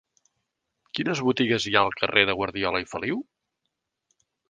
Quines botigues hi ha al carrer de Guardiola i Feliu?